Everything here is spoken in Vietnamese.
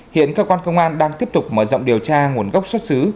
hiện cơ quan công an đang tiếp tục mở rộng điều tra nguồn gốc xuất xứ